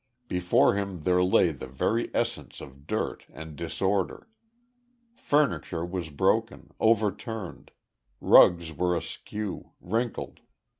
Before him there lay the very essence of dirt and disorder. Furniture was broken, overturned. Rugs were askew, wrinkled.